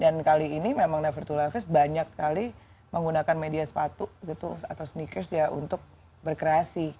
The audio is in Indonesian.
dan kali ini memang never to laugh banyak sekali menggunakan media sepatu gitu atau sneakers ya untuk berkreasi